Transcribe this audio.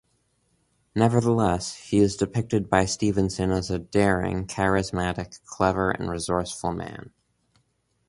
Nevertheless, he is depicted by Stephenson as a daring, charismatic, clever, and resourceful man.